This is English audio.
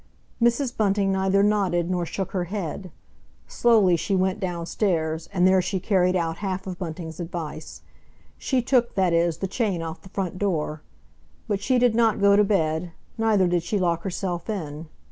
Mrs. Bunting neither nodded nor shook her head. Slowly she went downstairs, and there she carried out half of Bunting's advice. She took, that is, the chain off the front door. But she did not go to bed, neither did she lock herself in.